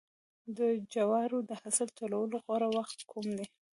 د جوارو د حاصل ټولولو غوره وخت کوم دی؟